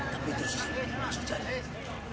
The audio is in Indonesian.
tapi di sisi ini langsung jalan